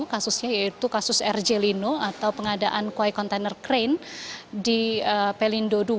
kasusnya yaitu kasus r j lino atau pengadaan kue kontainer krain di pelindo dua